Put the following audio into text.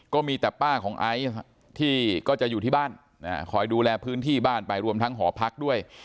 ก็มีแต่ป้าของไอซ์ที่ก็จะอยู่ที่บ้านคอยดูแลพื้นที่บ้านไปรวมทั้งหอพักด้วย